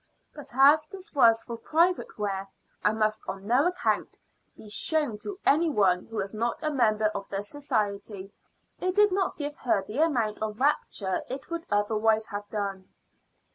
But as this was for private wear, and must on no account be shown to any one who was not a member of the society, it did not give her the amount of rapture it would otherwise have done.